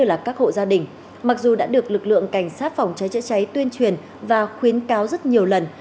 là các hộ gia đình mặc dù đã được lực lượng cảnh sát phòng cháy chữa cháy tuyên truyền và khuyến cáo rất nhiều lần